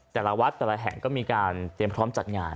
แต่ละวัดแต่ละแห่งก็มีการเตรียมพร้อมจัดงาน